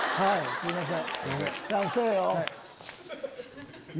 すいません。